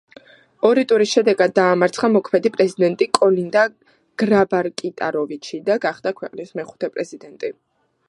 ორი ტურის შედეგად დაამარცხა მოქმედი პრეზიდენტი კოლინდა გრაბარ-კიტაროვიჩი და გახდა ქვეყნის მეხუთე პრეზიდენტი.